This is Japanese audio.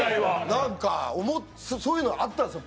何かそういうのがあったんですよ